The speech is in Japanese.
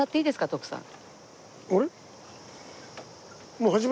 徳さん！